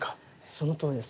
そのとおりです。